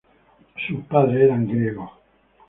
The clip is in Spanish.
Sus padres eran griegos.